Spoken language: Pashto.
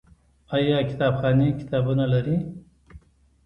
آیا کتابخانې کتابونه لري؟